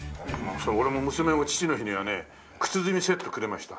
俺も娘も父の日にはね靴墨セットくれました。